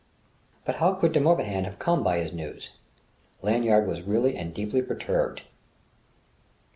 But how could De Morbihan have come by his news? Lanyard was really and deeply perturbed....